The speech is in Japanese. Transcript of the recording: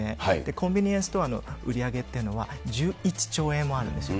コンビニエンスストアの売り上げというのは１１兆円もあるんですよ。